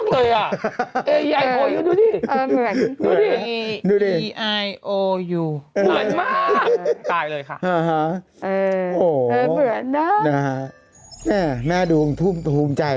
งั้นมันพี่ไม่ทำอะไรแม่มันอยู่เฉย